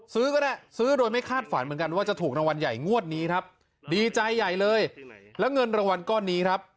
ซื้อก็ได้ซื้อโดยไม่คาดฝันเหมือนกันว่าจะถูกรางวัลใหญ่งวดนี้ครับดีใจใหญ่เลยแล้วเงินรางวัลก้อนนี้ครับ